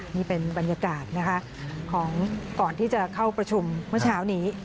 นี่เป็นบรรยากาศนะคะของก่อนที่จะเข้าประชุมเมื่อเช้านี้